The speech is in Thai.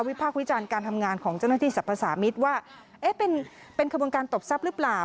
พากษ์วิจารณ์การทำงานของเจ้าหน้าที่สรรพสามิตรว่าเป็นขบวนการตบทรัพย์หรือเปล่า